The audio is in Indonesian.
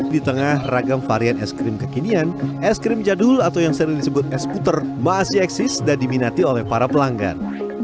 di tengah ragam varian es krim kekinian es krim jadul atau yang sering disebut es puter masih eksis dan diminati oleh para pelanggan